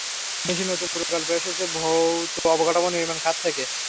সবচেয়ে বেশি নতুন প্রকল্প এসেছে ভৌত অবকাঠামো নির্মাণ খাত থেকে।